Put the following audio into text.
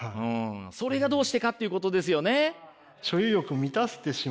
それがどうしてかっていうことですよね。